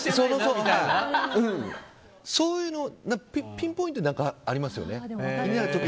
そういうピンポイントでありますね。